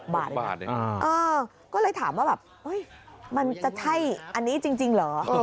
แล้วก็ยังมีค่าโทรศัพท์ค่าอินเตอร์เน็ตเดือนละ๗๐๐